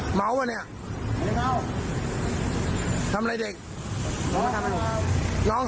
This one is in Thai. เหม้าเปล่าทำอะไรเด็ก